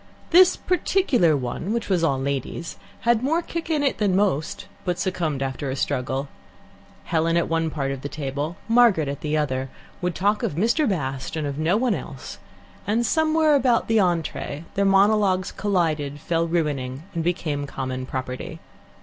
This particular one, which was all ladies, had more kick in it than most, but succumbed after a struggle. Helen at one part of the table, Margaret at the other, would talk of Mr. Bast and of no one else, and somewhere about the entree their monologues collided, fell ruining, and became common property.